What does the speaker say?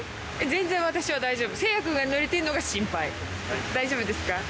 全然私は大丈夫誠也くんが濡れてんのが心配大丈夫ですか？